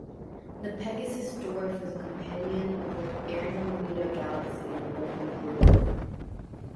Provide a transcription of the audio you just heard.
The Pegasus Dwarf is a companion of the Andromeda Galaxy in the Local Group.